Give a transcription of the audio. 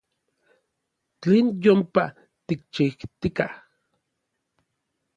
Tlen yompa n tikchijtikaj.